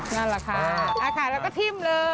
นั่นแหละค่ะอากาศแล้วก็ทิ่มเลย